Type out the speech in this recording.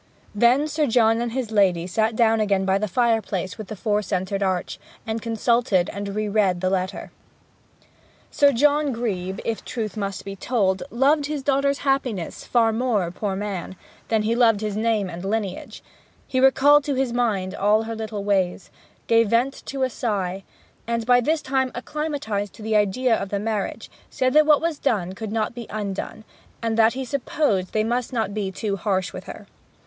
Then Sir John and his lady sat down again by the fireplace with the four centred arch, and consulted, and re read the letter. Sir John Grebe, if the truth must be told, loved his daughter's happiness far more, poor man, than he loved his name and lineage; he recalled to his mind all her little ways, gave vent to a sigh; and, by this time acclimatized to the idea of the marriage, said that what was done could not be undone, and that he supposed they must not be too harsh with her.